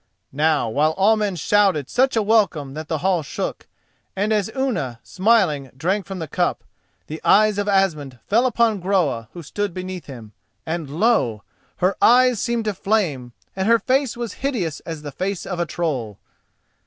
Now while all men shouted such a welcome that the hall shook, and as Unna, smiling, drank from the cup, the eyes of Asmund fell upon Groa who stood beneath him, and lo! her eyes seemed to flame and her face was hideous as the face of a troll.